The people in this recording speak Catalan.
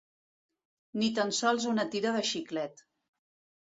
Ni tan sols una tira de xiclet.